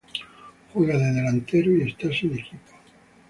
Juega de delantero y está sin equipo.